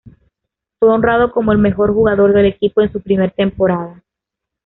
Fue honrado como el mejor jugador del equipo en su primer temporada.